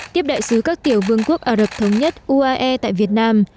tiếp đại sứ các tiểu vương quốc ả rập thống nhất uae tại việt nam